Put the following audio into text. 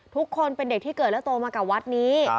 ทุกคนเป็นเด็กที่เกิดและโตมากับวัดนี้